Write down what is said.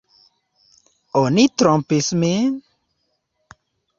Oni trompis min!